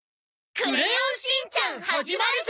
『クレヨンしんちゃん』始まるぞ。